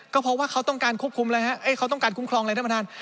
ก็เพราะว่าเขาต้องการคุ้มครองอะไรนะประธาน